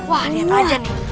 wah lihat aja nih